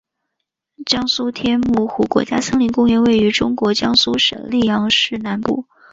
江苏天目湖国家森林公园位于中国江苏省溧阳市南部。